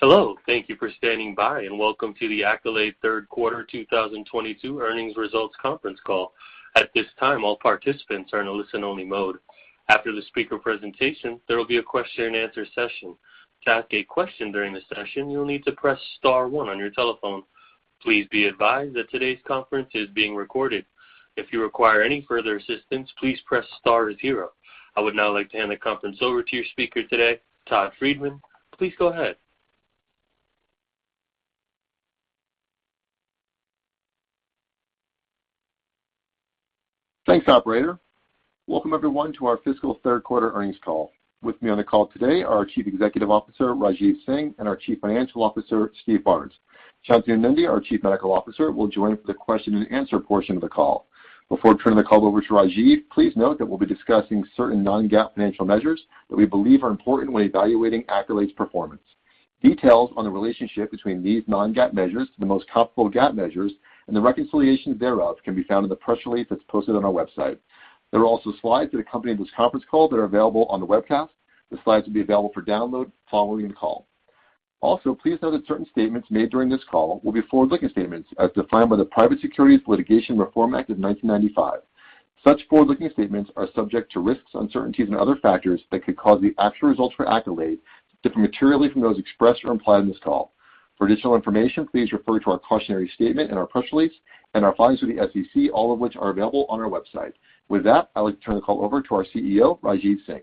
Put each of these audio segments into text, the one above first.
Hello. Thank you for standing by, and welcome to the Accolade Third Quarter 2022 Earnings Results Conference Call. At this time, all participants are in a listen-only mode. After the speaker presentation, there will be a question-and-answer session. To ask a question during the session, you'll need to press star one on your telephone. Please be advised that today's conference is being recorded. If you require any further assistance, please press star zero. I would now like to hand the conference over to your speaker today, Todd Friedman. Please go ahead. Thanks, operator. Welcome everyone to our fiscal third quarter earnings call. With me on the call today are our Chief Executive Officer, Rajeev Singh, and our Chief Financial Officer, Steve Barnes. Shantanu Nundy, our Chief Medical Officer, will join for the question and answer portion of the call. Before turning the call over to Rajeev, please note that we'll be discussing certain non-GAAP financial measures that we believe are important when evaluating Accolade's performance. Details on the relationship between these non-GAAP measures to the most comparable GAAP measures and the reconciliations thereof can be found in the press release that's posted on our website. There are also slides that accompany this conference call that are available on the webcast. The slides will be available for download following the call. Also, please note that certain statements made during this call will be forward-looking statements as defined by the Private Securities Litigation Reform Act of 1995. Such forward-looking statements are subject to risks, uncertainties, and other factors that could cause the actual results for Accolade to differ materially from those expressed or implied on this call. For additional information, please refer to our cautionary statement in our press release and our filings with the SEC, all of which are available on our website. With that, I'd like to turn the call over to our CEO, Rajeev Singh.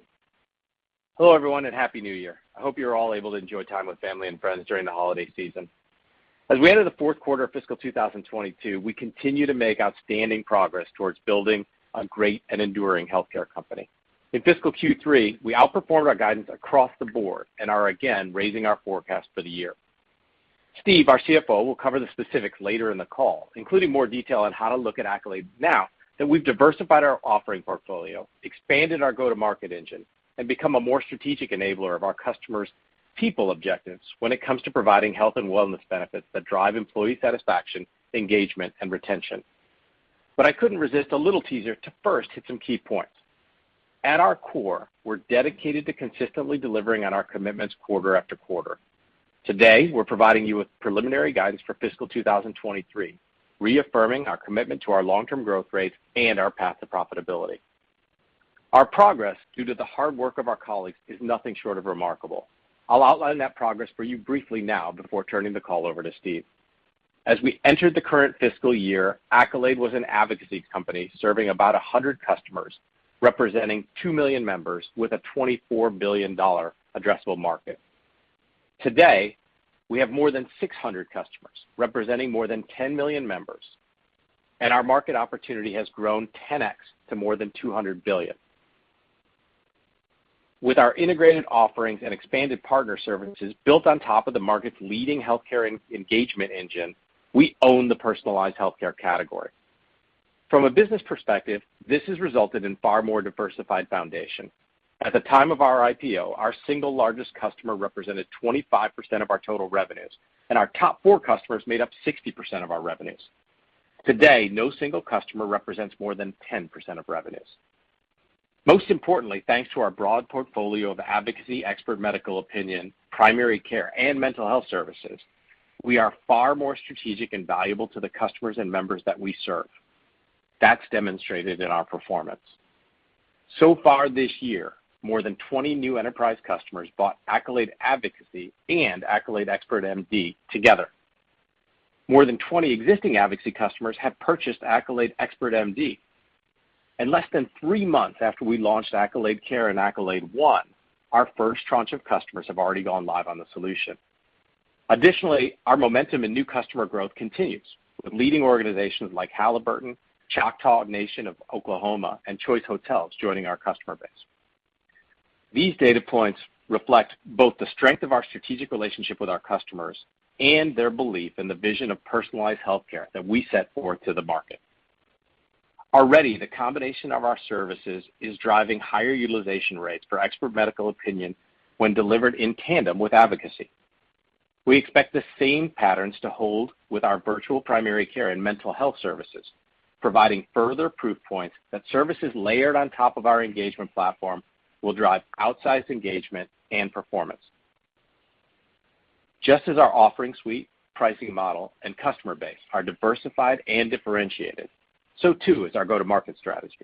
Hello, everyone, and happy New Year. I hope you're all able to enjoy time with family and friends during the holiday season. As we enter the fourth quarter of fiscal 2022, we continue to make outstanding progress towards building a great and enduring healthcare company. In fiscal Q3, we outperformed our guidance across the board and are again raising our forecast for the year. Steve, our CFO, will cover the specifics later in the call, including more detail on how to look at Accolade now that we've diversified our offering portfolio, expanded our go-to-market engine, and become a more strategic enabler of our customers' people objectives when it comes to providing health and wellness benefits that drive employee satisfaction, engagement, and retention. I couldn't resist a little teaser to first hit some key points. At our core, we're dedicated to consistently delivering on our commitments quarter-after-quarter. Today, we're providing you with preliminary guidance for fiscal 2023, reaffirming our commitment to our long-term growth rates and our path to profitability. Our progress, due to the hard work of our colleagues, is nothing short of remarkable. I'll outline that progress for you briefly now before turning the call over to Steve. As we entered the current fiscal year, Accolade was an advocacy company serving about 100 customers, representing 2 million members with a $24 billion addressable market. Today, we have more than 600 customers representing more than 10 million members, and our market opportunity has grown 10x to more than $200 billion. With our integrated offerings and expanded partner services built on top of the market's leading healthcare engagement engine, we own the personalized healthcare category. From a business perspective, this has resulted in far more diversified foundation. At the time of our IPO, our single largest customer represented 25% of our total revenues, and our top four customers made up 60% of our revenues. Today, no single customer represents more than 10% of revenues. Most importantly, thanks to our broad portfolio of advocacy, expert medical opinion, primary care, and mental health services, we are far more strategic and valuable to the customers and members that we serve. That's demonstrated in our performance. So far this year, more than 20 new enterprise customers bought Accolade Advocacy and Accolade Expert MD together. More than 20 existing advocacy customers have purchased Accolade Expert MD. In less than three months after we launched Accolade Care and Accolade One, our first tranche of customers have already gone live on the solution. Additionally, our momentum in new customer growth continues, with leading organizations like Halliburton, Choctaw Nation of Oklahoma, and Choice Hotels joining our customer base. These data points reflect both the strength of our strategic relationship with our customers and their belief in the vision of personalized healthcare that we set forth to the market. Already, the combination of our services is driving higher utilization rates for expert medical opinion when delivered in tandem with advocacy. We expect the same patterns to hold with our virtual primary care and mental health services, providing further proof points that services layered on top of our engagement platform will drive outsized engagement and performance. Just as our offering suite, pricing model, and customer base are diversified and differentiated, so too is our go-to-market strategy.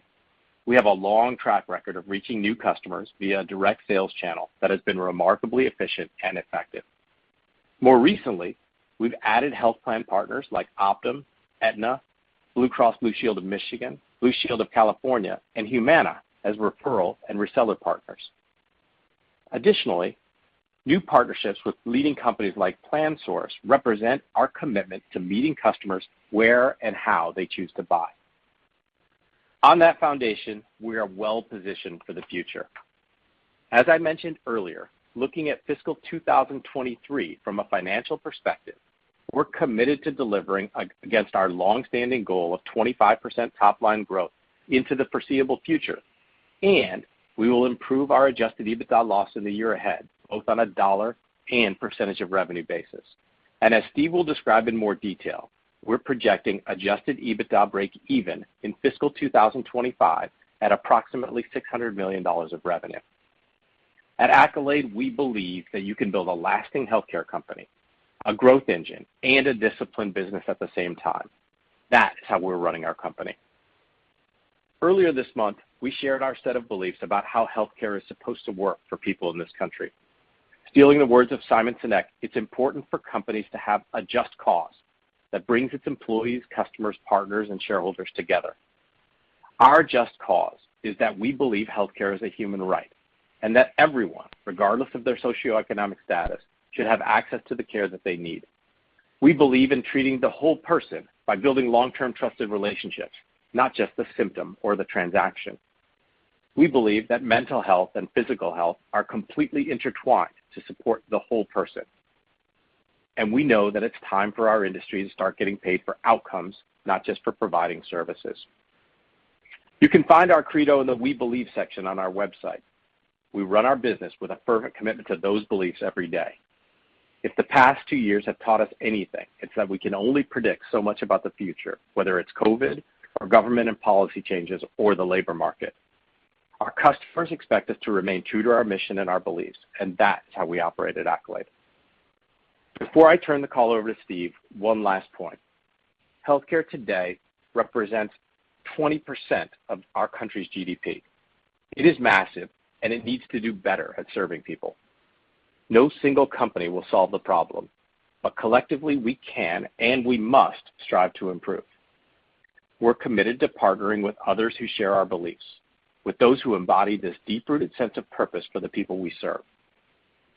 We have a long track record of reaching new customers via direct sales channel that has been remarkably efficient and effective. More recently, we've added health plan partners like Optum, Aetna, Blue Cross Blue Shield of Michigan, Blue Shield of California, and Humana as referral and reseller partners. Additionally, new partnerships with leading companies like PlanSource represent our commitment to meeting customers where and how they choose to buy. On that foundation, we are well positioned for the future. As I mentioned earlier, looking at fiscal 2023 from a financial perspective, we're committed to delivering against our long-standing goal of 25% top line growth into the foreseeable future, and we will improve our Adjusted EBITDA loss in the year ahead, both on a dollar and percentage of revenue basis. As Steve will describe in more detail, we're projecting Adjusted EBITDA breakeven in fiscal 2025 at approximately $600 million of revenue. At Accolade, we believe that you can build a lasting healthcare company, a growth engine, and a disciplined business at the same time. That is how we're running our company. Earlier this month, we shared our set of beliefs about how healthcare is supposed to work for people in this country. Stealing the words of Simon Sinek, "It's important for companies to have a just cause that brings its employees, customers, partners, and shareholders together." Our just cause is that we believe healthcare is a human right and that everyone, regardless of their socioeconomic status, should have access to the care that they need. We believe in treating the whole person by building long-term trusted relationships, not just the symptom or the transaction. We believe that mental health and physical health are completely intertwined to support the whole person. We know that it's time for our industry to start getting paid for outcomes, not just for providing services. You can find our credo in the We Believe section on our website. We run our business with a firm commitment to those beliefs every day. If the past two years have taught us anything, it's that we can only predict so much about the future, whether it's COVID, or government and policy changes, or the labor market. Our customers expect us to remain true to our mission and our beliefs, and that's how we operate at Accolade. Before I turn the call over to Steve, one last point. Healthcare today represents 20% of our country's GDP. It is massive, and it needs to do better at serving people. No single company will solve the problem, but collectively we can and we must strive to improve. We're committed to partnering with others who share our beliefs, with those who embody this deep-rooted sense of purpose for the people we serve.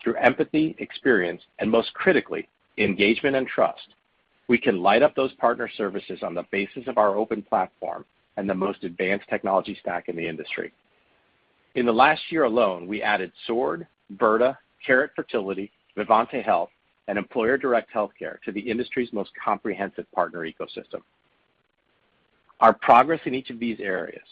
Through empathy, experience, and most critically, engagement and trust, we can light up those partner services on the basis of our open platform and the most advanced technology stack in the industry. In the last year alone, we added Sword Health, Virta Health, Carrot Fertility, Vivante Health, and Employer Direct Healthcare to the industry's most comprehensive partner ecosystem. Our progress in each of these areas,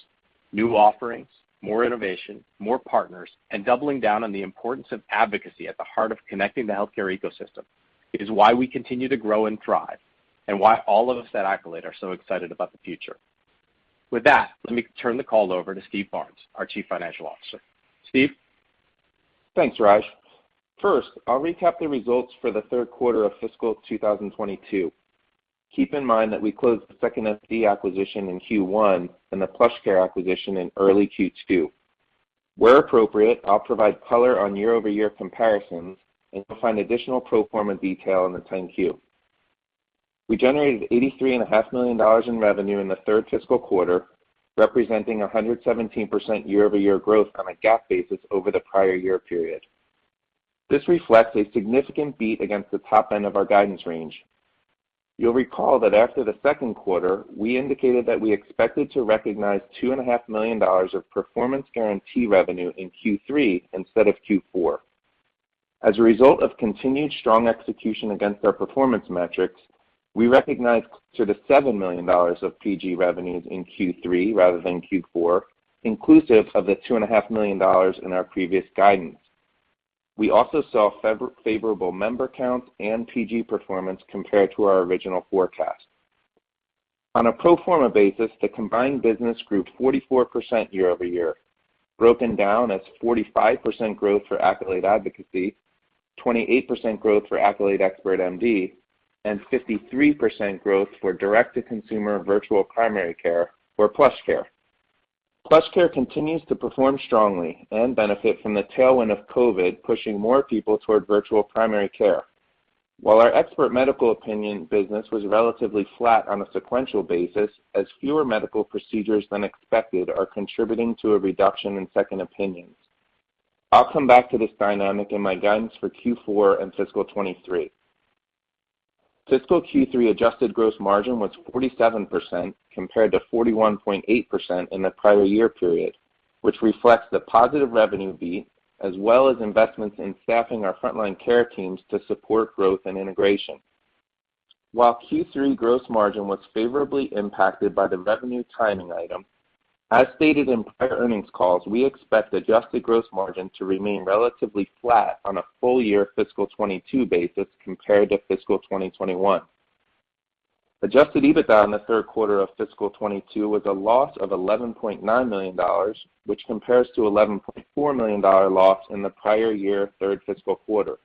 new offerings, more innovation, more partners, and doubling down on the importance of advocacy at the heart of connecting the healthcare ecosystem is why we continue to grow and thrive and why all of us at Accolade are so excited about the future. With that, let me turn the call over to Steve Barnes, our Chief Financial Officer. Steve? Thanks, Raj. First, I'll recap the results for the third quarter of fiscal 2022. Keep in mind that we closed the 2nd.MD acquisition in Q1 and the PlushCare acquisition in early Q2. Where appropriate, I'll provide color on year-over-year comparisons, and you'll find additional pro forma detail in the 10-Q. We generated $83.5 million in revenue in the third fiscal quarter, representing 117% year-over-year growth on a GAAP basis over the prior year period. This reflects a significant beat against the top end of our guidance range. You'll recall that after the second quarter, we indicated that we expected to recognize $2.5 million of performance guarantee revenue in Q3 instead of Q4. As a result of continued strong execution against our performance metrics, we recognized close to $7 million of PG revenues in Q3 rather than Q4, inclusive of the $2.5 million in our previous guidance. We also saw favorable member counts and PG performance compared to our original forecast. On a pro forma basis, the combined business grew 44% year-over-year, broken down as 45% growth for Accolade Advocacy, 28% growth for Accolade Expert MD, and 53% growth for direct-to-consumer virtual primary care for PlushCare. PlushCare continues to perform strongly and benefit from the tailwind of COVID pushing more people toward virtual primary care. While our expert medical opinion business was relatively flat on a sequential basis as fewer medical procedures than expected are contributing to a reduction in second opinions. I'll come back to this dynamic in my guidance for Q4 and fiscal 2023. Fiscal Q3 adjusted gross margin was 47% compared to 41.8% in the prior year period, which reflects the positive revenue beat as well as investments in staffing our frontline care teams to support growth and integration. While Q3 gross margin was favorably impacted by the revenue timing item, as stated in prior earnings calls, we expect adjusted gross margin to remain relatively flat on a full year fiscal 2022 basis compared to fiscal 2021. Adjusted EBITDA in the third quarter of fiscal 2022 was a loss of $11.9 million, which compares to $11.4 million loss in the prior year third fiscal quarter.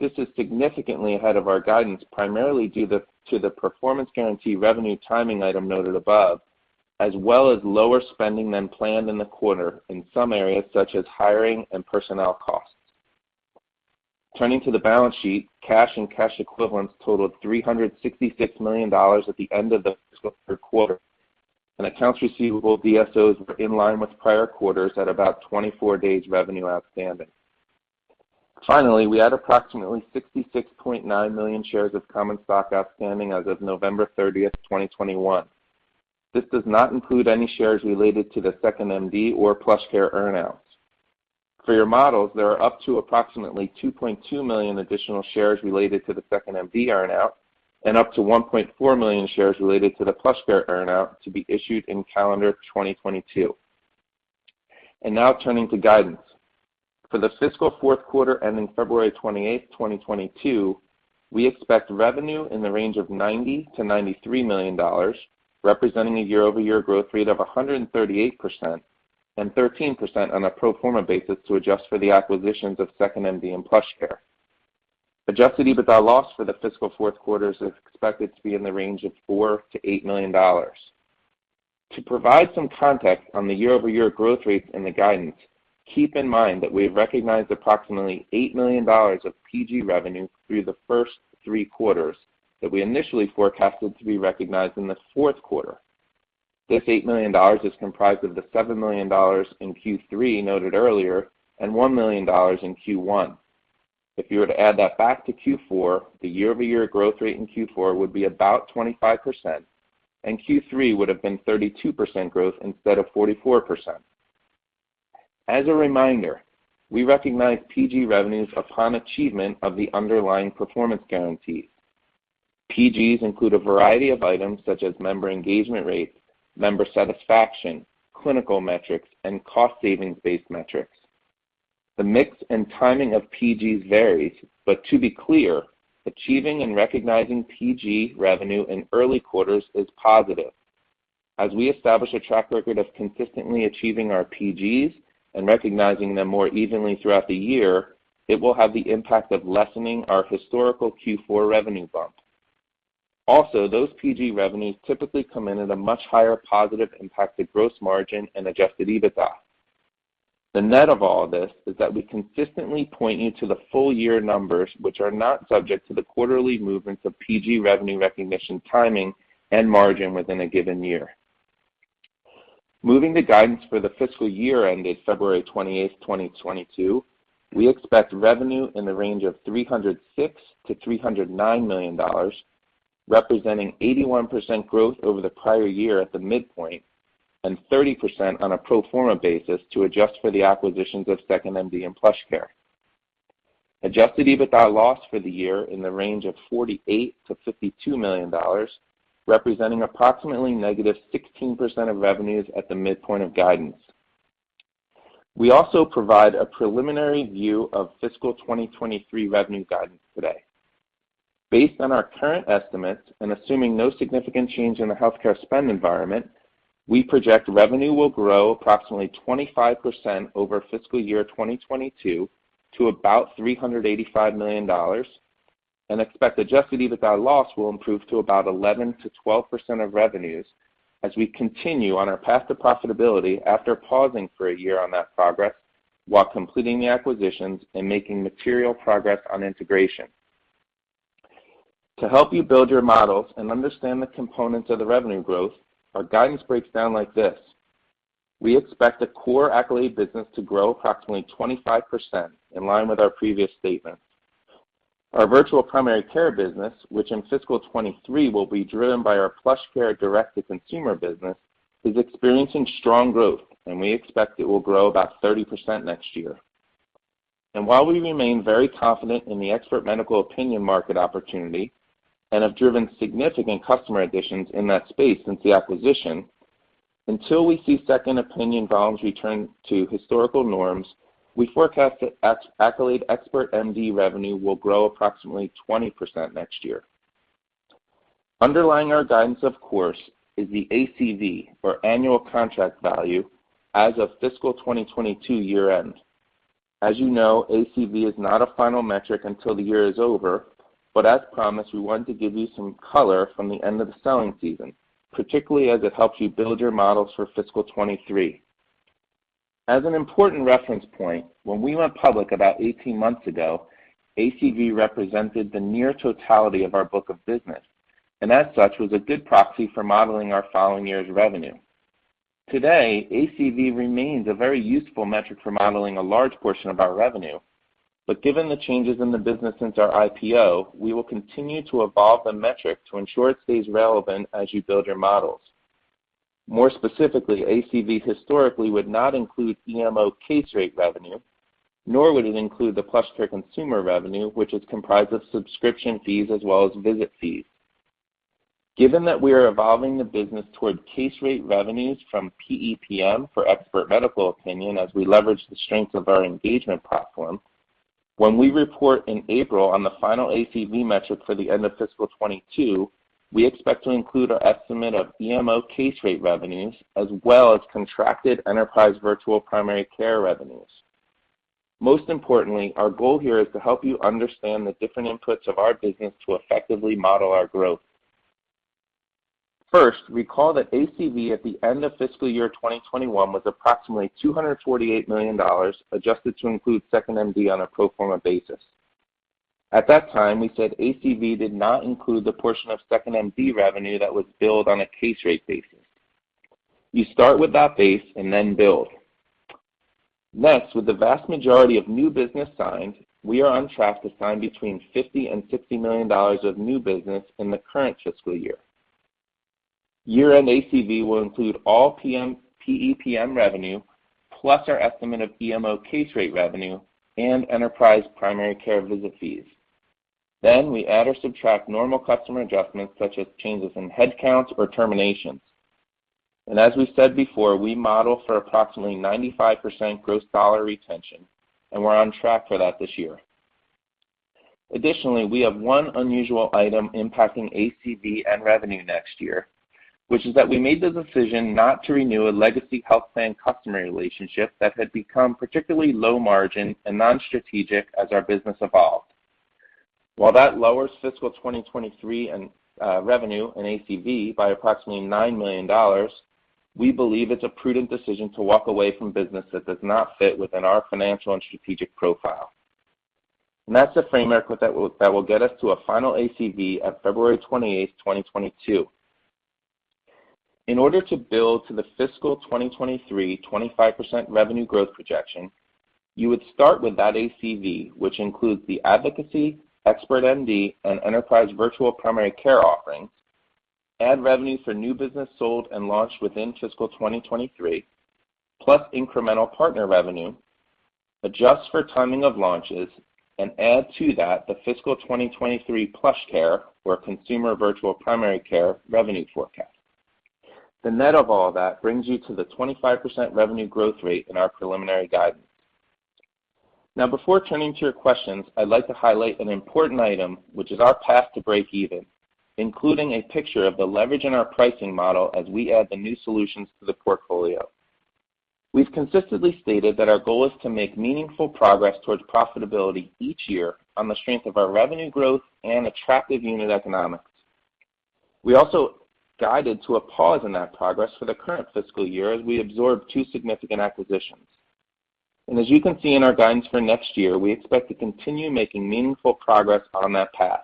This is significantly ahead of our guidance, primarily due to the performance guarantee revenue timing item noted above, as well as lower spending than planned in the quarter in some areas such as hiring and personnel costs. Turning to the balance sheet, cash and cash equivalents totaled $366 million at the end of the quarter, and accounts receivable DSOs were in line with prior quarters at about 24 days revenue outstanding. Finally, we had approximately 66.9 million shares of common stock outstanding as of November 30th, 2021. This does not include any shares related to the 2nd.MD or PlushCare earn-outs. For your models, there are up to approximately 2.2 million additional shares related to the 2nd.MD earn-out and up to 1.4 million shares related to the PlushCare earn-out to be issued in calendar 2022. Now turning to guidance. For the fiscal fourth quarter ending February 28th, 2022, we expect revenue in the range of $90 million-$93 million, representing a year-over-year growth rate of 138% and 13% on a pro forma basis to adjust for the acquisitions of 2nd.MD and PlushCare. Adjusted EBITDA loss for the fiscal fourth quarter is expected to be in the range of $4 million-$8 million. To provide some context on the year-over-year growth rates and the guidance, keep in mind that we have recognized approximately $8 million of PG revenue through the first three quarters that we initially forecasted to be recognized in the fourth quarter. This $8 million is comprised of the $7 million in Q3 noted earlier and $1 million in Q1. If you were to add that back to Q4, the year-over-year growth rate in Q4 would be about 25%, and Q3 would have been 32% growth instead of 44%. As a reminder, we recognize PG revenues upon achievement of the underlying performance guarantees. PGs include a variety of items such as member engagement rates, member satisfaction, clinical metrics, and cost savings-based metrics. The mix and timing of PGs varies, but to be clear, achieving and recognizing PG revenue in early quarters is positive. As we establish a track record of consistently achieving our PGs and recognizing them more evenly throughout the year, it will have the impact of lessening our historical Q4 revenue bump. Also, those PG revenues typically come in at a much higher positive impact to gross margin and Adjusted EBITDA. The net of all this is that we consistently point you to the full year numbers, which are not subject to the quarterly movements of PG revenue recognition timing and margin within a given year. Moving to guidance for the fiscal year ended February 28th, 2022, we expect revenue in the range of $306 million-$309 million, representing 81% growth over the prior year at the midpoint, and 30% on a pro forma basis to adjust for the acquisitions of 2nd.MD and PlushCare. Adjusted EBITDA loss for the year in the range of $48 million-$52 million, representing approximately -16% of revenues at the midpoint of guidance. We also provide a preliminary view of fiscal 2023 revenue guidance today. Based on our current estimates, and assuming no significant change in the healthcare spend environment, we project revenue will grow approximately 25% over fiscal year 2022 to about $385 million and expect Adjusted EBITDA loss will improve to about 11%-12% of revenues as we continue on our path to profitability after pausing for a year on that progress while completing the acquisitions and making material progress on integration. To help you build your models and understand the components of the revenue growth, our guidance breaks down like this. We expect the core Accolade business to grow approximately 25%, in line with our previous statements. Our virtual primary care business, which in fiscal 2023 will be driven by our PlushCare direct-to-consumer business, is experiencing strong growth, and we expect it will grow about 30% next year. While we remain very confident in the expert medical opinion market opportunity and have driven significant customer additions in that space since the acquisition, until we see second opinion volumes return to historical norms, we forecast that Accolade Expert MD revenue will grow approximately 20% next year. Underlying our guidance, of course, is the ACV, or annual contract value, as of fiscal 2022 year-end. As you know, ACV is not a final metric until the year is over, but as promised, we wanted to give you some color from the end of the selling season, particularly as it helps you build your models for fiscal 2023. As an important reference point, when we went public about 18 months ago, ACV represented the near totality of our book of business, and as such, was a good proxy for modeling our following year's revenue. Today, ACV remains a very useful metric for modeling a large portion of our revenue. Given the changes in the business since our IPO, we will continue to evolve the metric to ensure it stays relevant as you build your models. More specifically, ACV historically would not include EMO case rate revenue, nor would it include the PlushCare consumer revenue, which is comprised of subscription fees as well as visit fees. Given that we are evolving the business toward case rate revenues from PEPM for expert medical opinion as we leverage the strength of our engagement platform, when we report in April on the final ACV metric for the end of fiscal 2022, we expect to include our estimate of EMO case rate revenues as well as contracted enterprise virtual primary care revenues. Most importantly, our goal here is to help you understand the different inputs of our business to effectively model our growth. First, recall that ACV at the end of fiscal year 2021 was approximately $248 million, adjusted to include 2nd.MD on a pro forma basis. At that time, we said ACV did not include the portion of 2nd.MD revenue that was billed on a case rate basis. You start with that base and then build. Next, with the vast majority of new business signed, we are on track to sign between $50 million and $60 million of new business in the current fiscal year. Year-end ACV will include all PEPM revenue, plus our estimate of EMO case rate revenue and enterprise primary care visit fees. We add or subtract normal customer adjustments such as changes in headcounts or terminations. As we said before, we model for approximately 95% gross dollar retention, and we're on track for that this year. Additionally, we have one unusual item impacting ACV and revenue next year, which is that we made the decision not to renew a legacy health plan customer relationship that had become particularly low margin and non-strategic as our business evolved. While that lowers fiscal 2023 revenue and ACV by approximately $9 million, we believe it's a prudent decision to walk away from business that does not fit within our financial and strategic profile. That's the framework that will get us to a final ACV at February 28th, 2022. In order to build to the fiscal 2023 25% revenue growth projection, you would start with that ACV, which includes the advocacy, expert MD, and enterprise virtual primary care offerings, add revenue for new business sold and launched within fiscal 2023, plus incremental partner revenue, adjust for timing of launches, and add to that the fiscal 2023 PlushCare or consumer virtual primary care revenue forecast. The net of all that brings you to the 25% revenue growth rate in our preliminary guidance. Now, before turning to your questions, I'd like to highlight an important item, which is our path to breakeven, including a picture of the leverage in our pricing model as we add the new solutions to the portfolio. We've consistently stated that our goal is to make meaningful progress towards profitability each year on the strength of our revenue growth and attractive unit economics. We also guided to a pause in that progress for the current fiscal year as we absorb two significant acquisitions. As you can see in our guidance for next year, we expect to continue making meaningful progress on that path.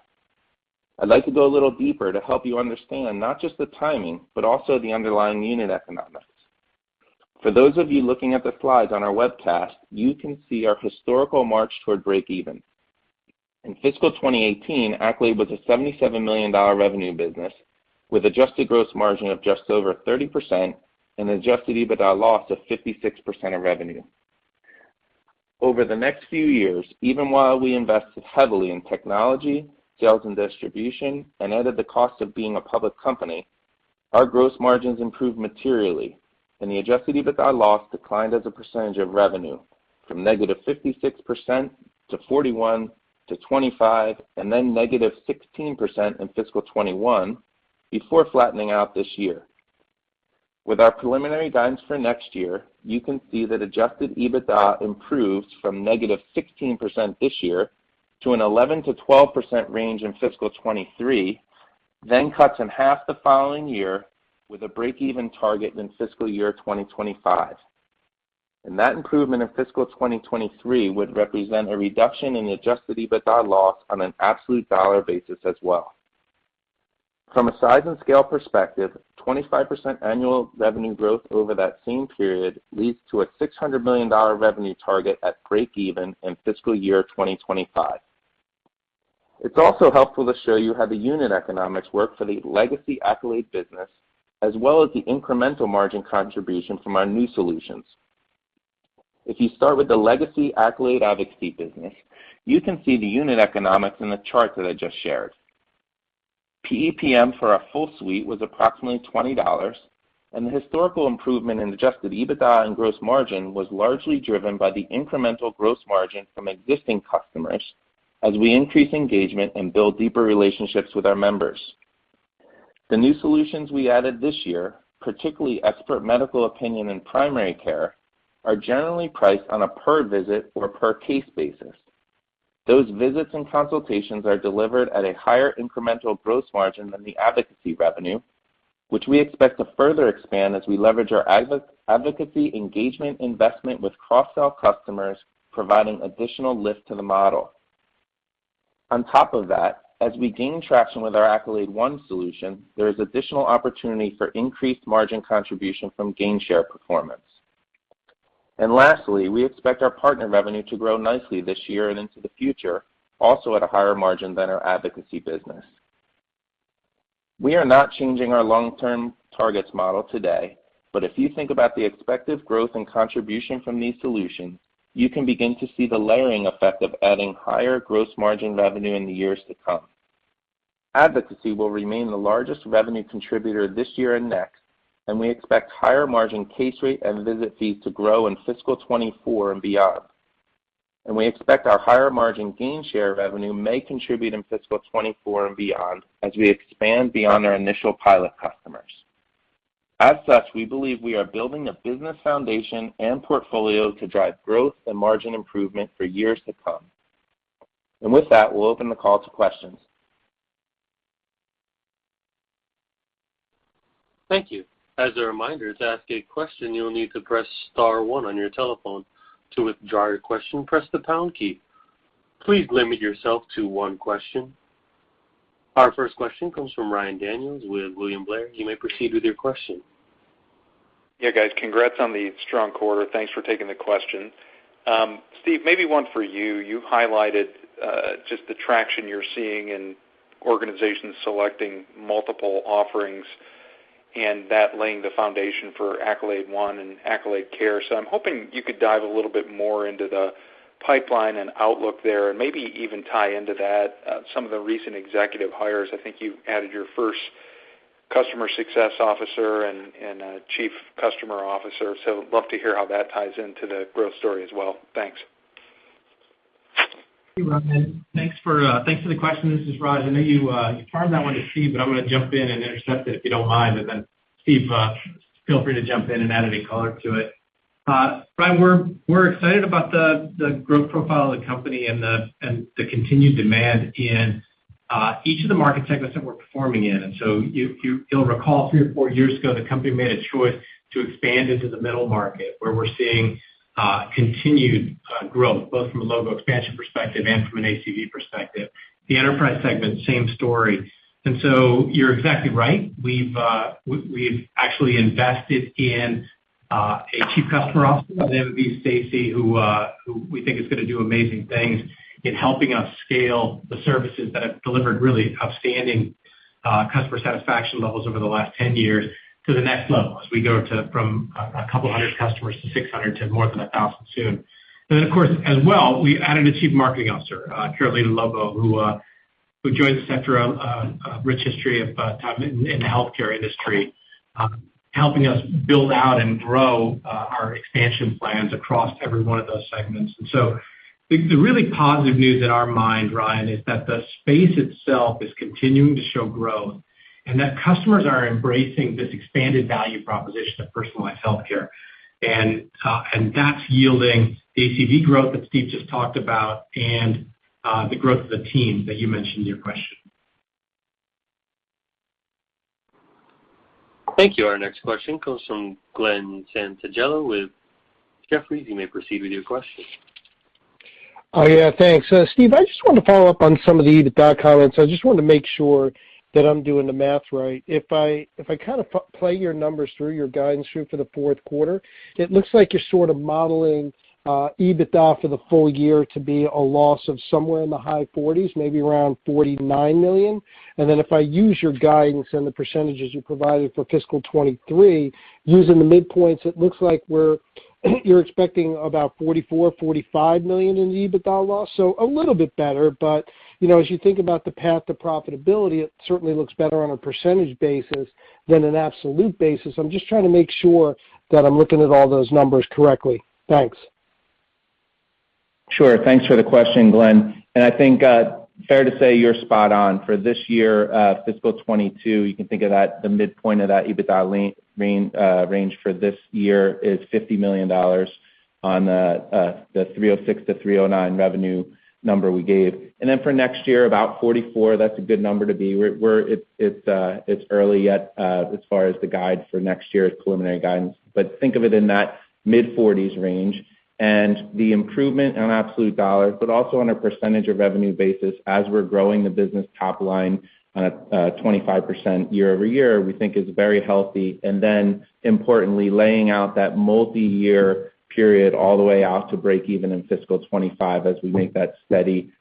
I'd like to go a little deeper to help you understand not just the timing, but also the underlying unit economics. For those of you looking at the slides on our webcast, you can see our historical march toward breakeven. In fiscal 2018, Accolade was a $77 million revenue business with adjusted gross margin of just over 30% and Adjusted EBITDA loss of 56% of revenue. Over the next few years, even while we invested heavily in technology, sales and distribution, and added the cost of being a public company, our gross margins improved materially, and the Adjusted EBITDA loss declined as a percentage of revenue from -56% to -41% to -25%, and then -16% in fiscal 2021 before flattening out this year. With our preliminary guidance for next year, you can see that Adjusted EBITDA improves from -16% this year to an 11%-12% range in fiscal 2023, then cuts in half the following year with a breakeven target in fiscal year 2025. That improvement in fiscal 2023 would represent a reduction in Adjusted EBITDA loss on an absolute dollar basis as well. From a size and scale perspective, 25% annual revenue growth over that same period leads to a $600 million revenue target at breakeven in fiscal year 2025. It's also helpful to show you how the unit economics work for the legacy Accolade business as well as the incremental margin contribution from our new solutions. If you start with the legacy Accolade Advocacy business, you can see the unit economics in the chart that I just shared. PEPM for our full suite was approximately $20, and the historical improvement in Adjusted EBITDA and gross margin was largely driven by the incremental gross margin from existing customers as we increase engagement and build deeper relationships with our members. The new solutions we added this year, particularly expert medical opinion and primary care, are generally priced on a per visit or per case basis. Those visits and consultations are delivered at a higher incremental gross margin than the advocacy revenue, which we expect to further expand as we leverage our advocacy engagement investment with cross-sell customers, providing additional lift to the model. On top of that, as we gain traction with our Accolade One solution, there is additional opportunity for increased margin contribution from gain share performance. Lastly, we expect our partner revenue to grow nicely this year and into the future, also at a higher margin than our advocacy business. We are not changing our long-term targets model today, but if you think about the expected growth and contribution from these solutions, you can begin to see the layering effect of adding higher gross margin revenue in the years to come. Advocacy will remain the largest revenue contributor this year and next, and we expect higher margin case rate and visit fees to grow in fiscal 2024 and beyond. We expect our higher margin gain share revenue may contribute in fiscal 2024 and beyond as we expand beyond our initial pilot customers. As such, we believe we are building a business foundation and portfolio to drive growth and margin improvement for years to come. With that, we'll open the call to questions. Thank you. As a reminder, to ask a question, you'll need to press star one on your telephone. To withdraw your question, press the pound key. Please limit yourself to one question. Our first question comes from Ryan Daniels with William Blair. You may proceed with your question. Yeah, guys. Congrats on the strong quarter. Thanks for taking the question. Steve, maybe one for you. You highlighted just the traction you're seeing in organizations selecting multiple offerings. That laying the foundation for Accolade One and Accolade Care. I'm hoping you could dive a little bit more into the pipeline and outlook there, and maybe even tie into that, some of the recent executive hires. I think you've added your first customer success officer and a Chief Customer Officer. Love to hear how that ties into the growth story as well. Thanks. Hey, Ryan. Thanks for the question. This is Raj. I know you farmed that one to Steve, but I'm gonna jump in and intercept it, if you don't mind. Steve, feel free to jump in and add any color to it. Ryan, we're excited about the growth profile of the company and the continued demand in each of the market segments that we're performing in. You'll recall three or four years ago, the company made a choice to expand into the middle market, where we're seeing continued growth, both from a logo expansion perspective and from an ACV perspective. The enterprise segment, same story. You're exactly right. We've actually invested in a Chief Customer Officer, Eve Stacey, who we think is gonna do amazing things in helping us scale the services that have delivered really outstanding customer satisfaction levels over the last 10 years to the next level, as we go from a couple hundred customers to 600 to more than 1,000 soon. Then, of course, as well, we added a Chief Marketing Officer, Carolina Lobo, who joined with a rich history of time in the healthcare industry, helping us build out and grow our expansion plans across every one of those segments. The really positive news in our mind, Ryan, is that the space itself is continuing to show growth, and that customers are embracing this expanded value proposition of personalized healthcare. That's yielding ACV growth that Steve just talked about and the growth of the team that you mentioned in your question. Thank you. Our next question comes from Glen Santangelo with Jefferies. You may proceed with your question. Oh, yeah, thanks. Steve, I just wanted to follow up on some of the EBITDA comments. I just wanted to make sure that I'm doing the math right. If I kind of play your numbers through your guidance for the fourth quarter, it looks like you're sort of modeling EBITDA for the full year to be a loss of somewhere in the high 40s, maybe around $49 million. If I use your guidance and the percentages you provided for fiscal 2023, using the midpoints, it looks like you're expecting about $44 million-$45 million in EBITDA loss. A little bit better, but you know, as you think about the path to profitability, it certainly looks better on a percentage basis than an absolute basis. I'm just trying to make sure that I'm looking at all those numbers correctly. Thanks. Sure. Thanks for the question, Glen. I think fair to say you're spot on. For this year, fiscal 2022, you can think of that, the midpoint of that EBITDA range for this year is $50 million on the $306 million-$309 million revenue number we gave. Then for next year, about $44 million, that's a good number to be. It's early yet as far as the guide for next year's preliminary guidance. Think of it in that mid-40's range. The improvement on absolute dollars, but also on a percentage of revenue basis as we're growing the business top line at a 25% year-over-year, we think is very healthy. Importantly, laying out that multiyear period all the way out to break even in fiscal 2025 as we make that steady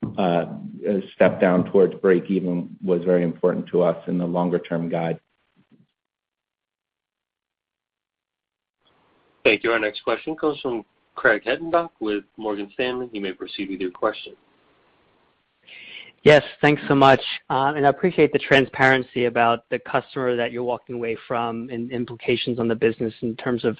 step down towards break even was very important to us in the longer term guide. Thank you. Our next question comes from Craig Hettenbach with Morgan Stanley. You may proceed with your question. Yes, thanks so much. I appreciate the transparency about the customer that you're walking away from and implications on the business in terms of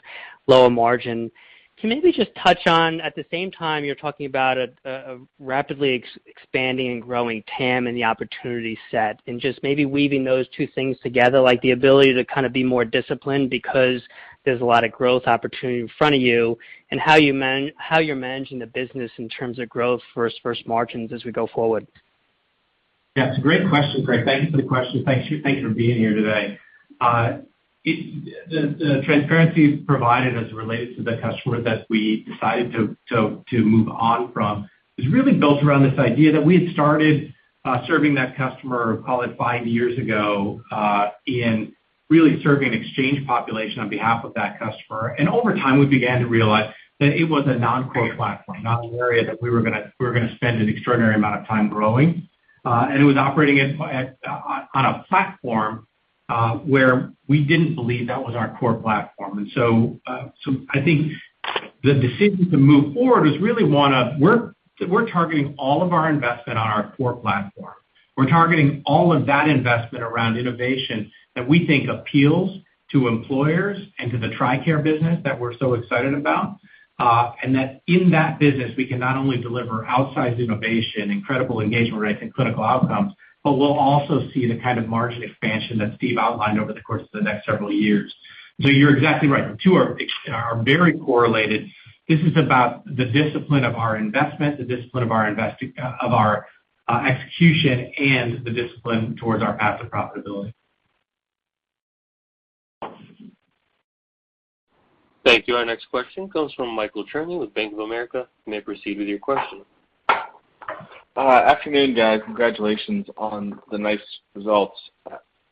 lower margin. Can you maybe just touch on at the same time you're talking about a rapidly expanding and growing TAM and the opportunity set, and just maybe weaving those two things together, like the ability to kind of be more disciplined because there's a lot of growth opportunity in front of you, and how you're managing the business in terms of growth versus margins as we go forward. Yeah, it's a great question, Craig. Thank you for the question. Thank you for being here today. The transparency provided as it relates to the customer that we decided to move on from is really built around this idea that we had started serving that customer, call it 5 years ago, in really serving exchange population on behalf of that customer. Over time, we began to realize that it was a non-core platform, not an area that we were gonna spend an extraordinary amount of time growing. It was operating on a platform where we didn't believe that was our core platform. I think the decision to move forward is really one of we're targeting all of our investment on our core platform. We're targeting all of that investment around innovation that we think appeals to employers and to the TRICARE business that we're so excited about. That in that business, we can not only deliver outsized innovation, incredible engagement rates, and clinical outcomes, but we'll also see the kind of margin expansion that Steve outlined over the course of the next several years. You're exactly right. The two are very correlated. This is about the discipline of our investment, the discipline of our execution, and the discipline towards our path of profitability. Thank you. Our next question comes from Michael Cherny with Bank of America. You may proceed with your question. Afternoon, guys. Congratulations on the nice results.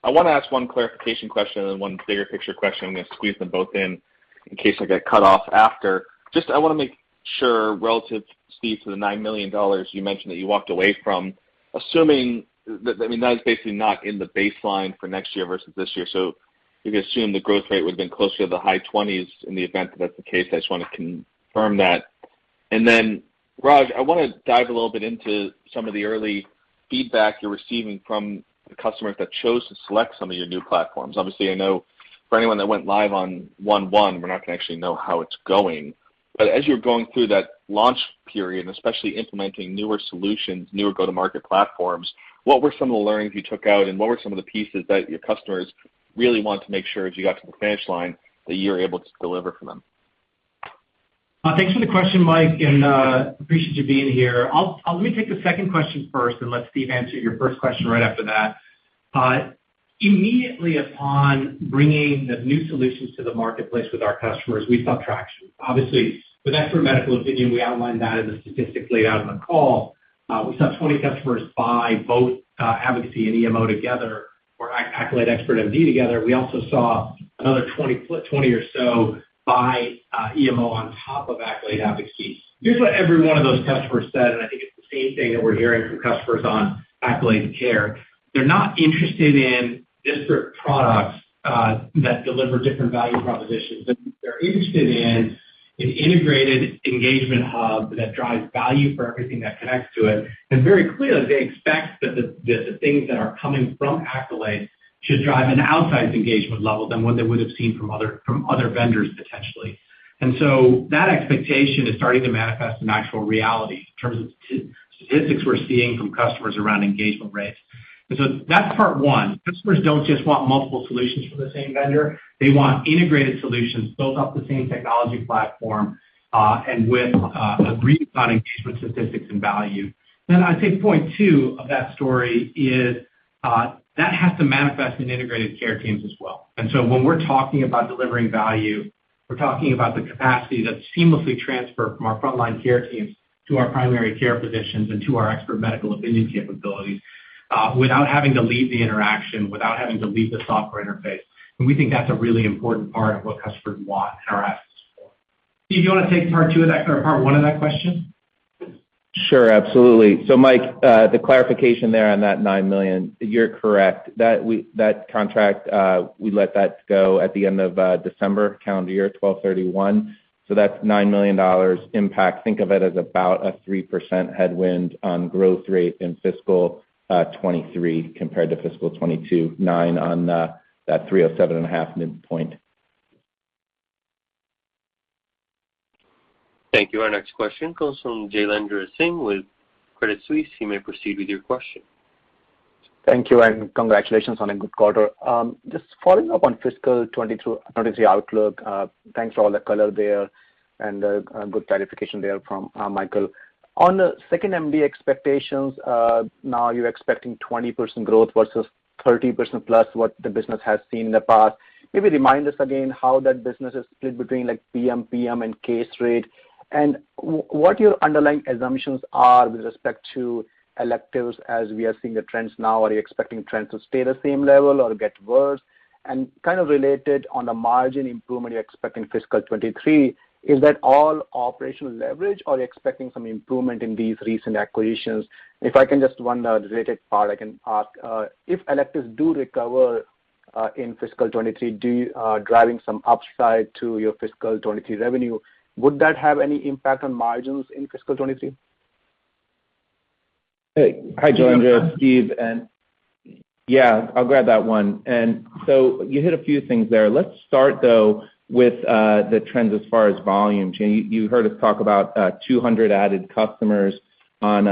I wanna ask one clarification question and one bigger picture question. I'm gonna squeeze them both in. In case I get cut off after, just I wanna make sure relative to Steve to the $9 million you mentioned that you walked away from, assuming that, I mean, that is basically not in the baseline for next year versus this year. We can assume the growth rate would've been closer to the high 20s% in the event that that's the case. I just wanna confirm that. Raj, I wanna dive a little bit into some of the early feedback you're receiving from the customers that chose to select some of your new platforms. Obviously, I know for anyone that went live on Accolade One, we're not gonna actually know how it's going. As you're going through that launch period, especially implementing newer solutions, newer go-to-market platforms, what were some of the learnings you took out, and what were some of the pieces that your customers really wanted to make sure, as you got to the finish line, that you're able to deliver for them? Thanks for the question, Mike, and appreciate you being here. Let me take the second question first and let Steve answer your first question right after that. Immediately upon bringing the new solutions to the marketplace with our customers, we saw traction. Obviously, with expert medical opinion, we outlined that as a statistic laid out on the call. We saw 20 customers buy both advocacy and EMO together, or Accolade Expert MD together. We also saw another 20 or so buy EMO on top of Accolade Advocacy. Here's what every one of those customers said, and I think it's the same thing that we're hearing from customers on Accolade Care. They're not interested in disparate products that deliver different value propositions. What they're interested in, an integrated engagement hub that drives value for everything that connects to it. Very clearly, they expect that the things that are coming from Accolade should drive an outsized engagement level than what they would've seen from other vendors potentially. That expectation is starting to manifest in actual reality in terms of statistics we're seeing from customers around engagement rates. That's part one. Customers don't just want multiple solutions from the same vendor. They want integrated solutions built off the same technology platform, and with agreement on engagement statistics and value. I think point two of that story is that has to manifest in integrated care teams as well. When we're talking about delivering value, we're talking about the capacity to seamlessly transfer from our frontline care teams to our primary care physicians and to our expert medical opinion capabilities, without having to leave the interaction, without having to leave the software interface. We think that's a really important part of what customers want and are asking us for. Steve, do you wanna take part two of that or part one of that question? Sure, absolutely. Mike, the clarification there on that nine million, you're correct. That contract, we let that go at the end of December calendar year, 12/31. That's $9 million impact. Think of it as about a 3% headwind on growth rate in fiscal 2023 compared to fiscal 2022, nine on that 307.5 midpoint. Thank you. Our next question comes from Jailendra Singh with Credit Suisse. You may proceed with your question. Thank you, and congratulations on a good quarter. Just following up on fiscal 2022, 2023 outlook, thanks for all the color there and good clarification there from Michael. On the 2nd.MD expectations, now you're expecting 20% growth versus 30% plus what the business has seen in the past. Maybe remind us again how that business is split between like PMPM and case rate and what your underlying assumptions are with respect to electives as we are seeing the trends now. Are you expecting trends to stay the same level or get worse? Kind of related on the margin improvement you expect in fiscal 2023, is that all operational leverage, or are you expecting some improvement in these recent acquisitions? If I can just one related point I can ask, if electives do recover in fiscal 2023, driving some upside to your fiscal 2023 revenue, would that have any impact on margins in fiscal 2023? Hey. Hi, Jailendra, Steve. Yeah, I'll grab that one. You hit a few things there. Let's start though with the trends as far as volume change. You heard us talk about 200 added customers on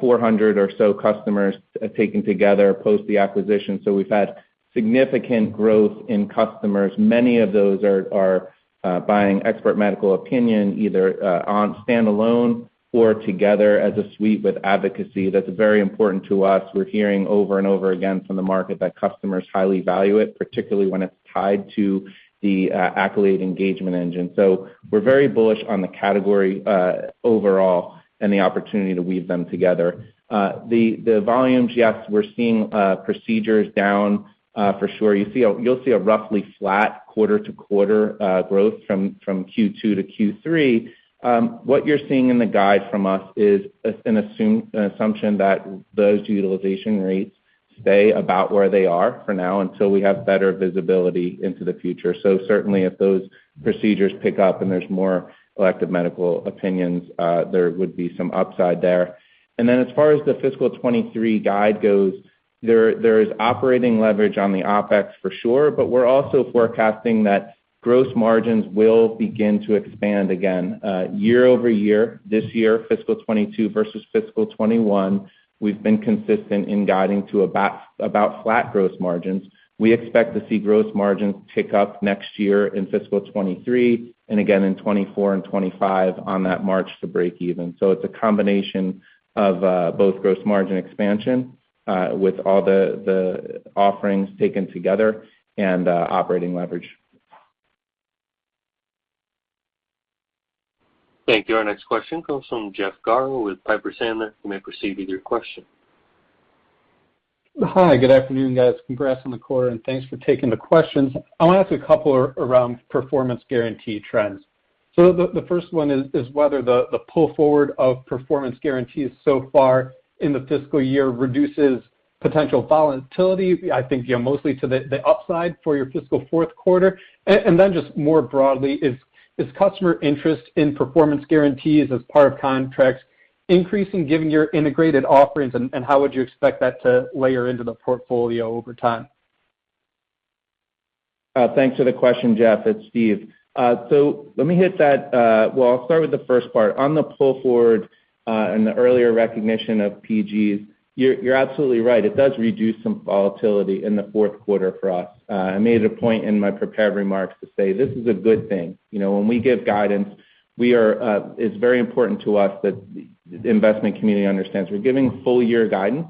400 or so customers taken together post the acquisition. We've had significant growth in customers. Many of those are buying expert medical opinion either on standalone or together as a suite with advocacy. That's very important to us. We're hearing over and over again from the market that customers highly value it, particularly when it's tied to the Accolade engagement engine. We're very bullish on the category overall and the opportunity to weave them together. The volumes, yes, we're seeing procedures down for sure. You'll see a roughly flat quarter-to-quarter growth from Q2 to Q3. What you're seeing in the guide from us is an assumption that those utilization rates stay about where they are for now until we have better visibility into the future. Certainly if those procedures pick up and there's more elective medical opinions, there would be some upside there. As far as the fiscal 2023 guide goes, there is operating leverage on the OpEx for sure, but we're also forecasting that gross margins will begin to expand again. Year-over-year, this year, fiscal 2022 versus fiscal 2021, we've been consistent in guiding to about flat gross margins. We expect to see gross margins tick up next year in fiscal 2023 and again in 2024 and 2025 on that march to breakeven. It's a combination of both gross margin expansion with all the offerings taken together and operating leverage. Thank you. Our next question comes from Jeff Garro with Piper Sandler. You may proceed with your question. Hi, good afternoon, guys. Congrats on the quarter, and thanks for taking the questions. I wanna ask a couple around performance guarantee trends. The first one is whether the pull forward of performance guarantees so far in the fiscal year reduces potential volatility, I think, you know, mostly to the upside for your fiscal fourth quarter. Just more broadly, is customer interest in performance guarantees as part of contracts increasing given your integrated offerings, and how would you expect that to layer into the portfolio over time? Thanks for the question, Jeff. It's Steve. Let me hit that. Well, I'll start with the first part. On the pull forward and the earlier recognition of PGs, you're absolutely right. It does reduce some volatility in the fourth quarter for us. I made it a point in my prepared remarks to say this is a good thing. You know, when we give guidance, we are. It's very important to us that the investment community understands we're giving full year guidance,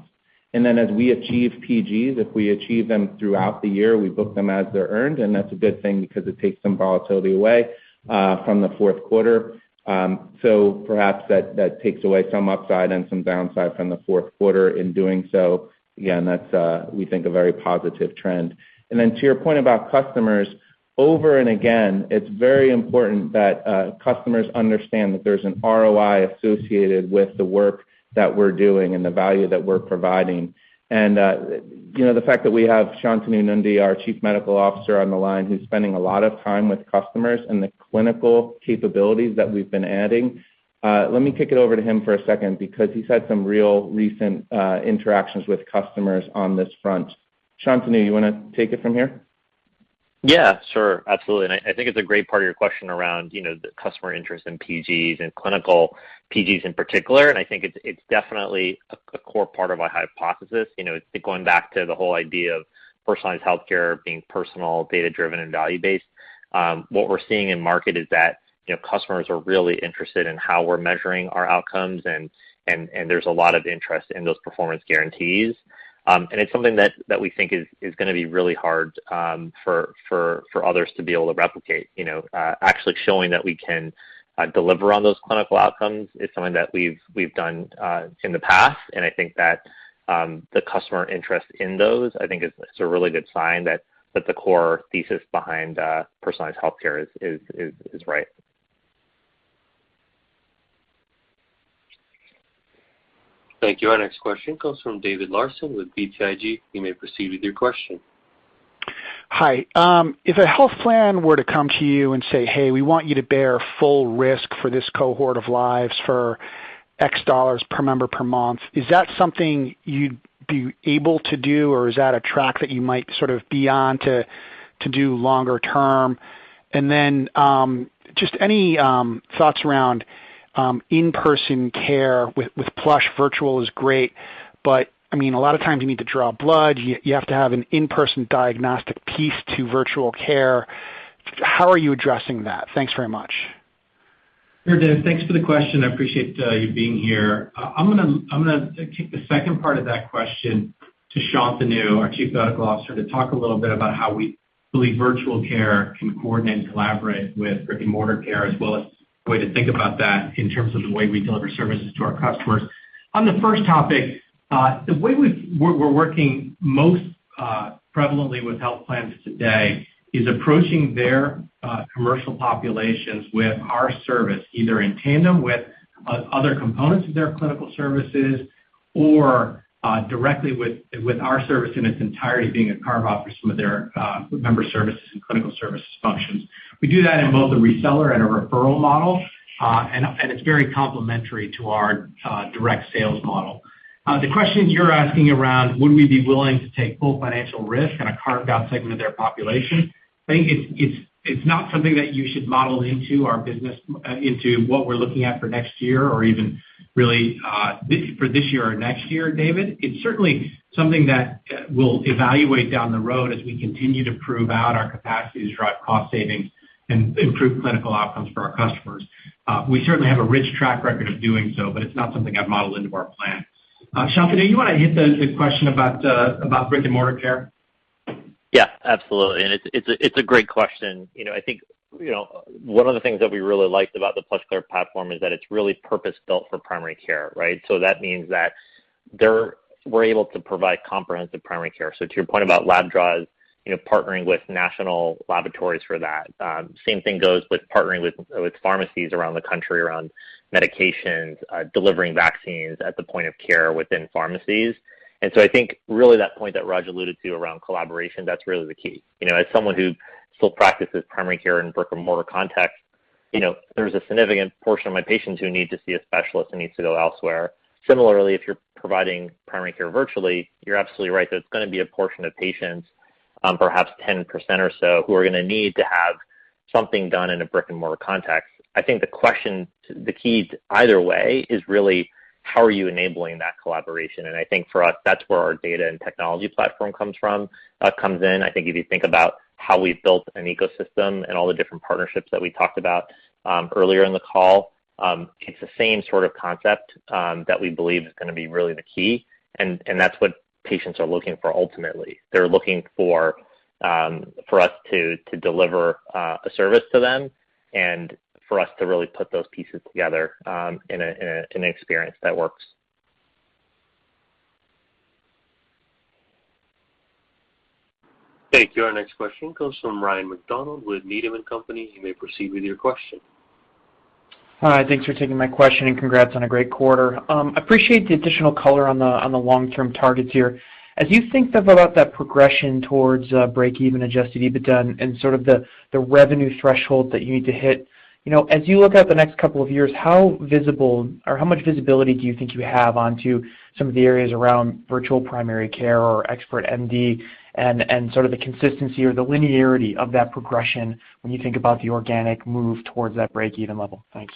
and then as we achieve PGs, if we achieve them throughout the year, we book them as they're earned, and that's a good thing because it takes some volatility away from the fourth quarter. Perhaps that takes away some upside and some downside from the fourth quarter in doing so. Again, that's, we think a very positive trend. Then to your point about customers, over and again, it's very important that, customers understand that there's an ROI associated with the work that we're doing and the value that we're providing. You know, the fact that we have Shantanu Nundy, our Chief Medical Officer, on the line, who's spending a lot of time with customers and the clinical capabilities that we've been adding, let me kick it over to him for a second because he's had some real recent, interactions with customers on this front. Shantanu, you wanna take it from here? Yeah, sure. Absolutely. I think it's a great part of your question around, you know, the customer interest in PGs and clinical PGs in particular. I think it's definitely a core part of our hypothesis. You know, it's going back to the whole idea of personalized healthcare being personal, data-driven, and value-based. What we're seeing in market is that, you know, customers are really interested in how we're measuring our outcomes and there's a lot of interest in those performance guarantees. It's something that we think is gonna be really hard for others to be able to replicate. You know, actually showing that we can deliver on those clinical outcomes is something that we've done in the past. I think that the customer interest in those, I think is a really good sign that the core thesis behind personalized healthcare is right. Thank you. Our next question comes from David Larsen with BTIG. You may proceed with your question. Hi. If a health plan were to come to you and say, "Hey, we want you to bear full risk for this cohort of lives for X dollars per member per month," is that something you'd be able to do, or is that a track that you might sort of be on to do longer term? Just any thoughts around in-person care with PlushCare virtual is great, but I mean, a lot of times you need to draw blood, you have to have an in-person diagnostic piece to virtual care. How are you addressing that? Thanks very much. Sure, Dave. Thanks for the question. I appreciate you being here. I'm gonna take the second part of that question to Shantanu, our Chief Medical Officer, to talk a little bit about how we believe virtual care can coordinate and collaborate with brick-and-mortar care, as well as way to think about that in terms of the way we deliver services to our customers. On the first topic, the way we're working most prevalently with health plans today is approaching their commercial populations with our service, either in tandem with other components of their clinical services or directly with our service in its entirety being a carve-out for some of their member services and clinical services functions. We do that in both a reseller and a referral model, it's very complementary to our direct sales model. The question you're asking around would we be willing to take full financial risk in a carved-out segment of their population, I think it's not something that you should model into our business, into what we're looking at for next year or even really for this year or next year, David. It's certainly something that we'll evaluate down the road as we continue to prove out our capacity to drive cost savings and improve clinical outcomes for our customers. We certainly have a rich track record of doing so, but it's not something I'd model into our plan. Shantanu, you wanna hit the question about brick-and-mortar care? Yeah, absolutely. It's a great question. You know, I think, you know, one of the things that we really liked about the PlushCare platform is that it's really purpose-built for primary care, right? That means that there we're able to provide comprehensive primary care. To your point about lab draws, you know, partnering with national laboratories for that. Same thing goes with partnering with pharmacies around the country around medications, delivering vaccines at the point of care within pharmacies. I think really that point that Raj alluded to around collaboration, that's really the key. You know, as someone who still practices primary care in brick-and-mortar context, you know, there's a significant portion of my patients who need to see a specialist and needs to go elsewhere. Similarly, if you're providing primary care virtually, you're absolutely right that it's gonna be a portion of patients, perhaps 10% or so, who are gonna need to have something done in a brick-and-mortar context. I think the question, the key to either way is really how are you enabling that collaboration? I think for us, that's where our data and technology platform comes in. I think if you think about how we've built an ecosystem and all the different partnerships that we talked about earlier in the call, it's the same sort of concept that we believe is gonna be really the key, and that's what patients are looking for ultimately. They're looking for- For us to deliver a service to them and for us to really put those pieces together in an experience that works. Thank you. Our next question comes from Ryan MacDonald with Needham & Company. You may proceed with your question. Hi, thanks for taking my question, and congrats on a great quarter. Appreciate the additional color on the long-term targets here. As you think about that progression towards breakeven Adjusted EBITDA and sort of the revenue threshold that you need to hit, you know, as you look at the next couple of years, how visible or how much visibility do you think you have into some of the areas around virtual primary care or Expert MD and sort of the consistency or the linearity of that progression when you think about the organic move towards that breakeven level? Thanks.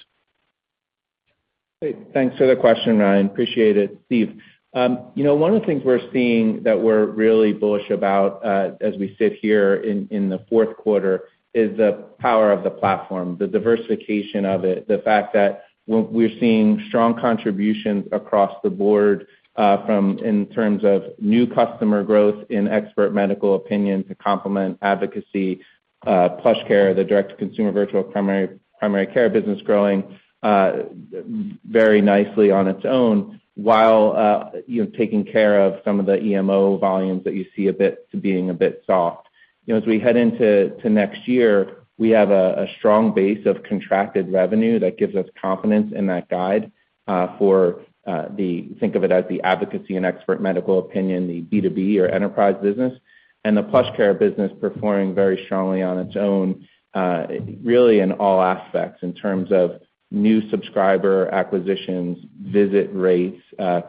Great. Thanks for the question, Ryan. Appreciate it. Steve, you know, one of the things we're seeing that we're really bullish about, as we sit here in the fourth quarter is the power of the platform, the diversification of it, the fact that we're seeing strong contributions across the board, from in terms of new customer growth in Expert Medical Opinion to complement Advocacy, PlushCare, the direct-to-consumer virtual primary care business growing very nicely on its own while, you know, taking care of some of the EMO volumes that you see being a bit soft. You know, as we head into next year, we have a strong base of contracted revenue that gives us confidence in that guide for think of it as the advocacy and Expert Medical Opinion, the B2B or enterprise business, and the PlushCare business performing very strongly on its own, really in all aspects in terms of new subscriber acquisitions, visit rates,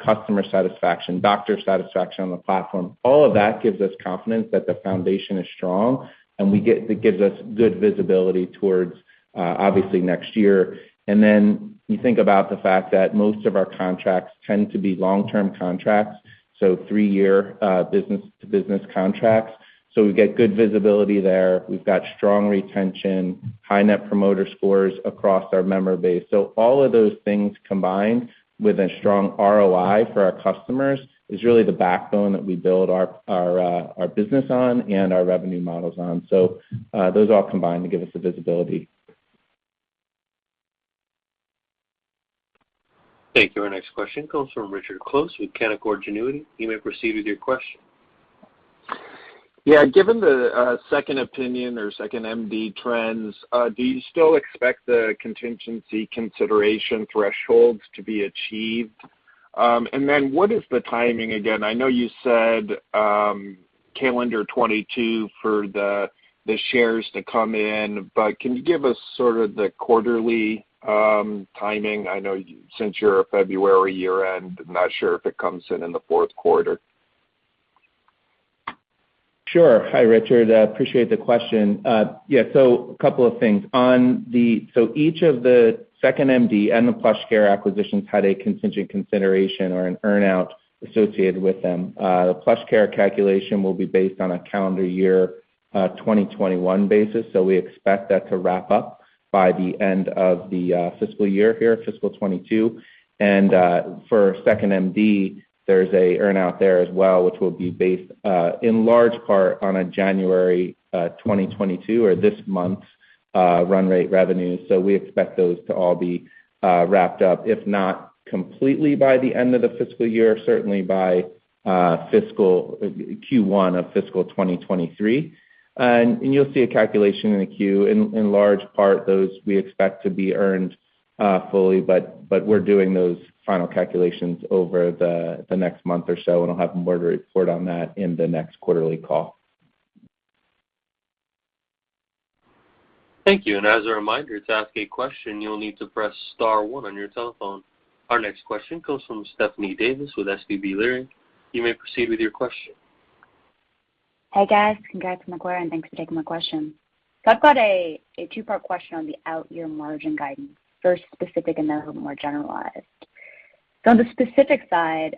customer satisfaction, doctor satisfaction on the platform. All of that gives us confidence that the foundation is strong and it gives us good visibility towards obviously next year. Then you think about the fact that most of our contracts tend to be long-term contracts, so three-year business-to-business contracts. So we get good visibility there. We've got strong retention, high net promoter scores across our member base. All of those things combined with a strong ROI for our customers is really the backbone that we build our business on and our revenue models on. Those all combine to give us the visibility. Thank you. Our next question comes from Richard Close with Canaccord Genuity. You may proceed with your question. Yeah. Given the second opinion or 2nd.MD trends, do you still expect the contingency consideration thresholds to be achieved? And then what is the timing again? I know you said calendar 2022 for the shares to come in, but can you give us sort of the quarterly timing? I know since you're a February year-end, I'm not sure if it comes in in the fourth quarter. Sure. Hi, Richard. I appreciate the question. Yeah, a couple of things. Each of the 2nd.MD and the PlushCare acquisitions had a contingent consideration or an earn-out associated with them. The PlushCare calculation will be based on a calendar year 2021 basis. We expect that to wrap up by the end of the fiscal year here, fiscal 2022. For 2nd.MD, there's an earn-out there as well, which will be based in large part on a January 2022 or this month's run rate revenue. We expect those to all be wrapped up, if not completely by the end of the fiscal year, certainly by fiscal Q1 of fiscal 2023. You'll see a calculation in the Q. In large part, those we expect to be earned fully, but we're doing those final calculations over the next month or so, and I'll have more to report on that in the next quarterly call. Thank you. As a reminder, to ask a question, you'll need to press star one on your telephone. Our next question comes from Stephanie Davis with SVB Leerink. You may proceed with your question. Hey, guys. Congrats on the quarter, and thanks for taking my question. I've got a two-part question on the out-year margin guidance. First, specific, and then a little more generalized. On the specific side,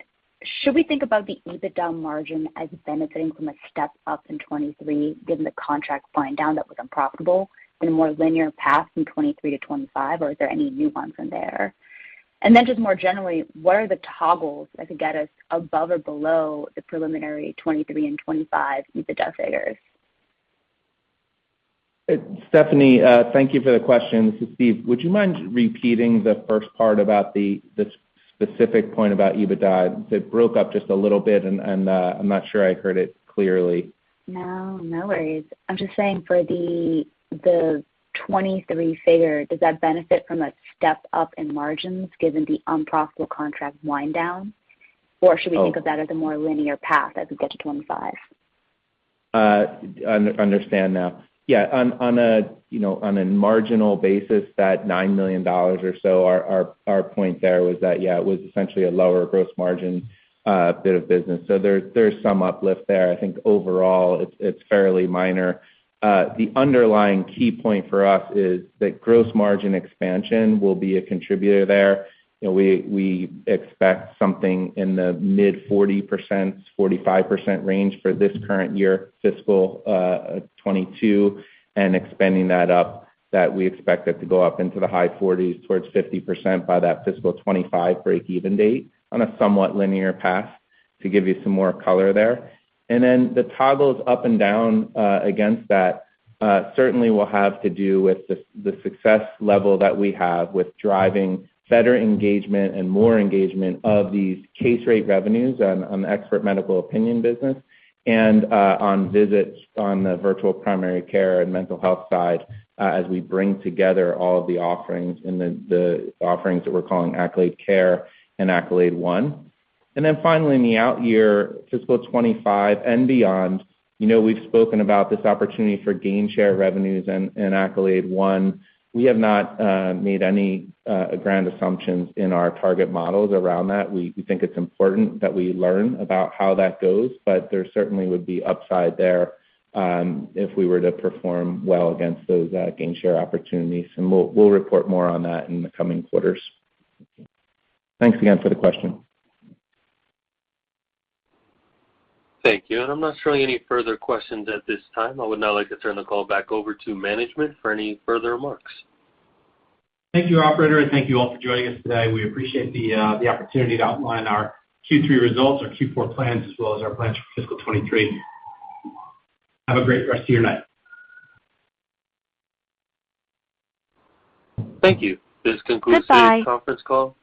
should we think about the EBITDA margin as benefiting from a step-up in 2023, given the contract wind down that was unprofitable in a more linear path from 2023 to 2025, or is there any nuance in there? Then just more generally, what are the toggles that could get us above or below the preliminary 2023 and 2025 EBITDA figures? Stephanie, thank you for the question. This is Steve. Would you mind repeating the first part about the specific point about EBITDA? That broke up just a little bit, and I'm not sure I heard it clearly. No, no worries. I'm just saying for the 2023 figure, does that benefit from a step-up in margins given the unprofitable contract wind down? Or should we think of that as a more linear path as we get to 2025? Understand now. Yeah, on a marginal basis, that $9 million or so, our point there was that, yeah, it was essentially a lower gross margin bit of business. So there's some uplift there. I think overall it's fairly minor. The underlying key point for us is that gross margin expansion will be a contributor there. You know, we expect something in the mid-40%, 45% range for this current year, fiscal 2022, and expanding that up, we expect it to go up into the high 40s toward 50% by that fiscal 2025 break-even date on a somewhat linear path to give you some more color there. The toggles up and down against that certainly will have to do with the success level that we have with driving better engagement and more engagement of these case rate revenues on the Expert Medical Opinion business and on visits on the virtual primary care and mental health side as we bring together all of the offerings in the offerings that we're calling Accolade Care and Accolade One. Finally in the out year, fiscal 2025 and beyond, you know, we've spoken about this opportunity for gain share revenues in Accolade One. We have not made any grand assumptions in our target models around that. We think it's important that we learn about how that goes, but there certainly would be upside there, if we were to perform well against those gain share opportunities, and we'll report more on that in the coming quarters. Thanks again for the question. Thank you. I'm not showing any further questions at this time. I would now like to turn the call back over to management for any further remarks. Thank you, operator, and thank you all for joining us today. We appreciate the opportunity to outline our Q3 results, our Q4 plans, as well as our plans for fiscal 2023. Have a great rest of your night. Thank you. This concludes today's conference call.